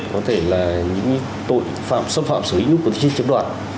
có thể là những tội phạm xâm phạm xử lý của chính chức đoàn